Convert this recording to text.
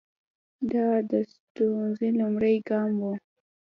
دا د سټیونز لومړنی ګام وو.